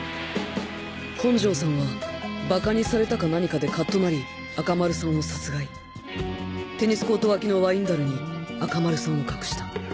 本城さんはバカにされたか何かでカッとなり赤丸さんを殺害テニスコート脇のワイン樽に赤丸さんを隠した。